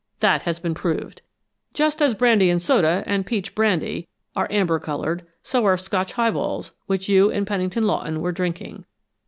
That has been proved. Just as brandy and soda, and peach brandy, are amber colored, so are Scotch high balls, which you and Pennington Lawton were drinking.